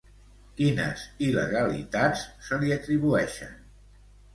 Quines il·legalitats se li atribueixen?